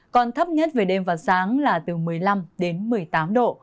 còn thấp nhất về đêm và sáng là từ một mươi năm đến một mươi tám độ